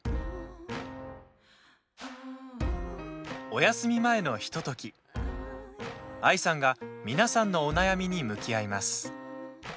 おやすみ前のひとときＡＩさんが皆さんのお悩みに向き合います。